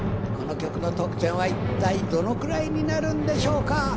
この曲の得点はいったいどのくらいになるんでしょうか？